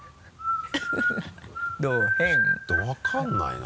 分からないな。